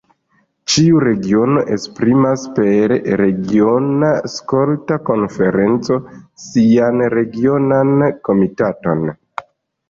Ĉiu regiono esprimas per regiona skolta konferenco sian regionan komitaton.